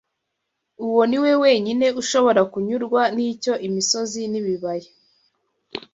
Uwo ni we wenyine ushobora kunyurwa n’icyo imisozi n’ibibaya